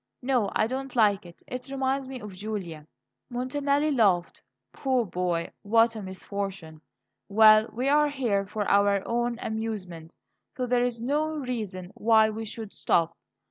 No, I don't like it; it reminds me of Julia." Montanelli laughed. "Poor boy, what a misfortune! Well, we are here for our own amusement, so there is no reason why we should stop.